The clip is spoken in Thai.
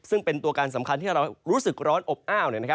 ซึ่งเป็นตัวการสำคัญที่เรารู้สึกร้อนอบอ้าว